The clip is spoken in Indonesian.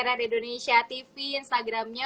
di crn indonesia tv instagramnya